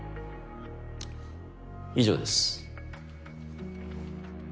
以上です。